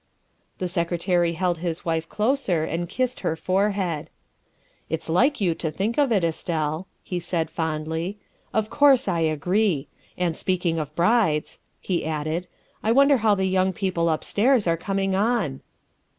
The Secretary held his wife closer and kissed her forehead. " It 's like you to think of it, Estelle, '' he said fondly ;'' of course I agree. And speaking of brides, '' he added, " I wonder how the young people upstairs are coming on?"